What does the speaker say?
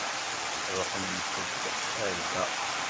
Ṛuḥemt-d ar da.